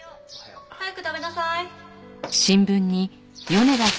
早く食べなさい。